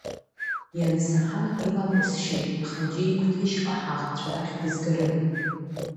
Иансаҳа, илакәысшьеит, аха џьеи Қәҭешьҟа ҳаӷацәа рахь дызгарын!